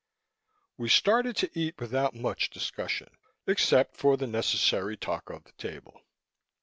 We started to eat without much discussion, except for the necessary talk of the table.